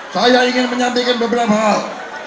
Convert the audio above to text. saya ingin menyampaikan beberapa hal